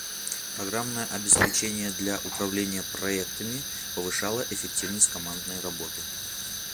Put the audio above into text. Программное обеспечение для управления проектами повышало эффективность командной работы.